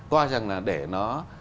coi rằng là để nó